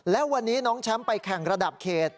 และวันนี้น้องแชมป์ไปแข่งระดับเขต